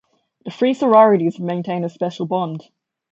The three sororities maintain a special bond.